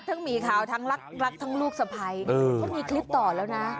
โอ้ยบาวาดอกบาวา